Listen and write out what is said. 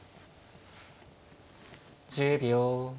１０秒。